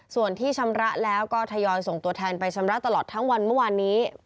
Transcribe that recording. ส่วนที่ชำระแล้วก็ทยอยส่งตัวแทนไปชำระตลอดทั้งวันเมื่อวานนี้